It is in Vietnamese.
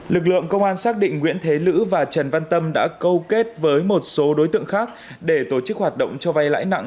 lực lượng công an xác định nguyễn thế lữ và trần văn tâm đã câu kết với một số đối tượng khác để tổ chức hoạt động cho vay lãi nặng